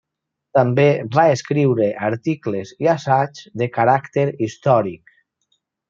També va escriure articles i assaigs de caràcter històric.